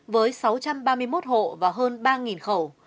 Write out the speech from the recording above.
với sáu trăm ba mươi một hộ và hơn ba khẩu